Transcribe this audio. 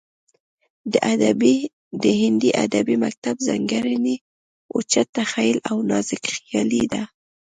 د هندي ادبي مکتب ځانګړنې اوچت تخیل او نازکخیالي ده